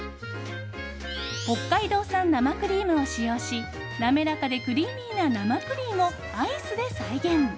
北海道産生クリームを使用し滑らかでクリーミーな生プリンをアイスで再現。